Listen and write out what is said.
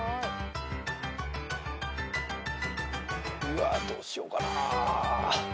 うわっどうしようかなぁ。